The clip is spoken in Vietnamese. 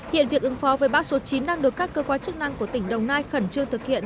hiện việc ứng phó với bác số chín đang được các cơ quan chức năng của tỉnh đồng nai khẩn trương thực hiện